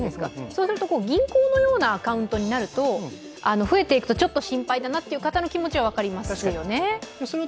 そうすると銀行のようなカウントになると増えていくと、ちょっと心配だなという気持ちは分かりますよね。